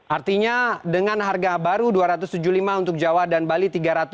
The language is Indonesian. artinya dengan harga baru dua ratus tujuh puluh lima untuk jawa dan bali